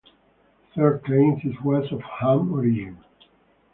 A third claims it was of Ham origin.